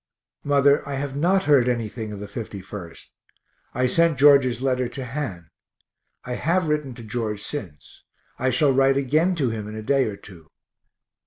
Mother, I have not heard anything of the 51st. I sent George's letter to Han. I have written to George since. I shall write again to him in a day or two.